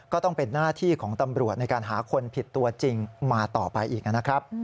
ก็ต้องเป็นหน้าที่ของตำรวจในการหาคนผิดตัวจริงมาต่อไปอีกนะครับ